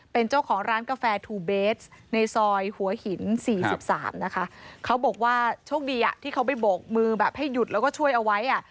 เป็นเจ้าของร้านกาแฟทูเบสในซอยหัวหินสี่สิบสามนะคะเขาบอกว่าโชคดีอ่ะที่เขาไปโบกมือแบบให้หยุดแล้วก็ช่วยเอาไว้อ่ะ